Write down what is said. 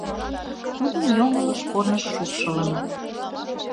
Тудым йоҥылыш корныш шупшылыныт.